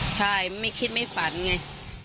ใช่ไม่คิดไม่ฝันไง